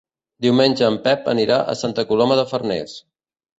Diumenge en Pep anirà a Santa Coloma de Farners.